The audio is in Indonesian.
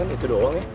itu doang ya